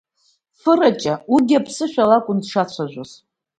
Фыраҷа, уигьы аԥсышәала акәын дшацәажәоз.